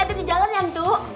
hati hati di jalan ya tante